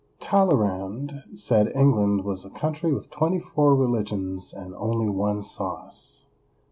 TALLEYRAND said England was a country with twenty four religions and only one sauce.